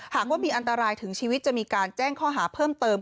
หากว่ามีอันตรายถึงชีวิตจะมีการแจ้งข้อหาเพิ่มเติม